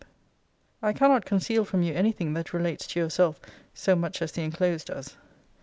I cannot conceal from you any thing that relates to yourself so much as the enclosed does.